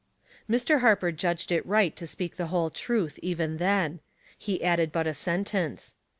Mr. Harper judged it right to speak the whole truth even then. He added but a sentence.